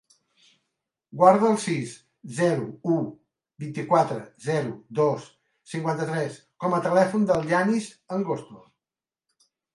Guarda el sis, zero, u, vint-i-quatre, zero, dos, cinquanta-tres com a telèfon del Yanis Angosto.